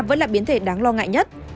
vẫn là biến thể đáng lo ngại nhất